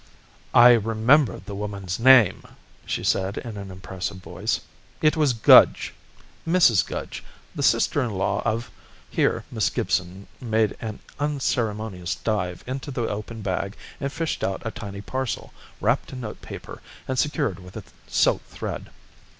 "I remember the woman's name," she said in an impressive voice. "It was Gudge Mrs. Gudge, the sister in law of " Here Miss Gibson made an unceremonious dive into the open bag and fished out a tiny parcel wrapped in notepaper and secured with a silk thread.